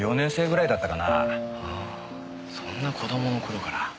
ああそんな子供の頃から。